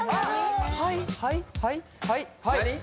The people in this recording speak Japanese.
はいはいはい何？